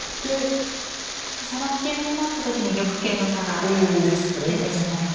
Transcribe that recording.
さばき合いになった時に玉形の差が出てしまいますか。